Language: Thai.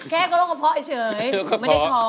แค่ก็เรากระเพาะเฉยมันให้ท้อง